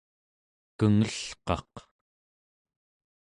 kengelqaq